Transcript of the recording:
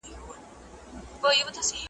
وايی چي نه کار په هغه څه کار ,